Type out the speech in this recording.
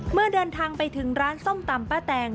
เมื่อเดินทางไปถึงร้านส้มตำป้าแตง